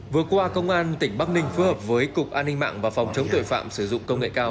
vừa qua công an tỉnh bắc ninh phối hợp với cục an ninh mạng và phòng chống tội phạm sử dụng công nghệ cao